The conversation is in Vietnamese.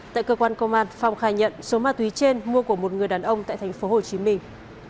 tại cơ quan công an phong khai nhận số ma túy trên mua của một người đàn ông tại thành phố hồ chí minh